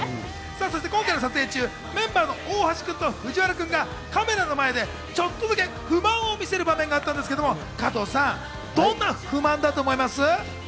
今回の撮影中、メンバーの大橋君と藤原君がカメラの前でちょっとだけ不満を見せる場面があったんですけど、加藤さん、どんな不満だと思います？